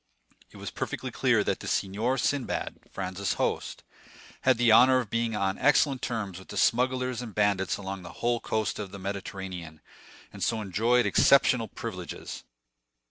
It was perfectly clear that the Signor Sinbad, Franz's host, had the honor of being on excellent terms with the smugglers and bandits along the whole coast of the Mediterranean, and so enjoyed exceptional privileges.